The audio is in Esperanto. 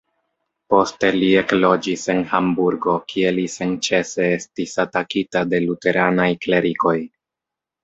Poste li ekloĝis en Hamburgo, kie li senĉese estis atakita de luteranaj klerikoj.